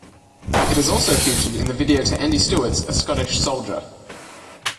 It has also featured in the video to Andy Stewart's A Scottish Soldier.